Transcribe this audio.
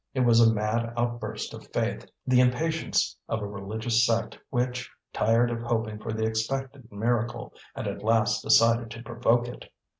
It was a mad outburst of faith, the impatience of a religious sect which, tired of hoping for the expected miracle, had at last decided to provoke it.